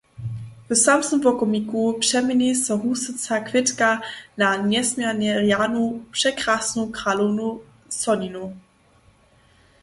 W samsnym wokomiku přeměni so husaca kwětka na njesměrnje rjanu, překrasnu kralownu soninow.